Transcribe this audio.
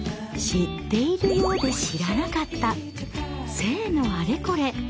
知っているようで知らなかった性のあれこれ。